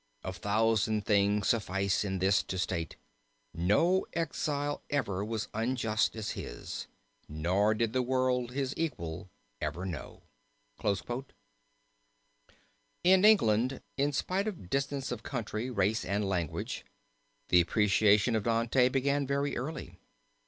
Of thousand things suffice in this to state: No exile ever was unjust as his, Nor did the world his equal ever know. In England, in spite of distance of country, race and language, the appreciation of Dante began very early.